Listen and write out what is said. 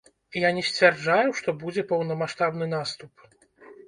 Я не сцвярджаю, што будзе поўнамаштабны наступ.